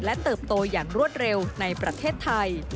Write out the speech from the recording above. เติบโตอย่างรวดเร็วในประเทศไทย